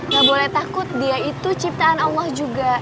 gak boleh takut dia itu ciptaan allah juga